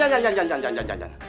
jangan jangan jangan jangan